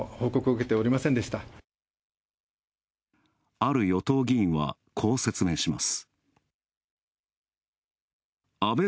ある与党議員は、こう説明します。